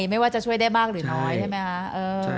ไม่ว่าจะช่วยได้มากหรือน้อยใช่ไหมคะ